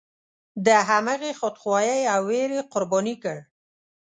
د همغې خودخواهۍ او ویرې قرباني کړ.